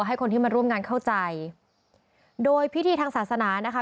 ให้คนที่มาร่วมงานเข้าใจโดยพิธีทางศาสนานะคะ